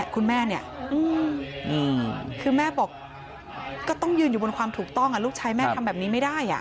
คุณแม่เนี่ยคือแม่บอกก็ต้องยืนอยู่บนความถูกต้องลูกชายแม่ทำแบบนี้ไม่ได้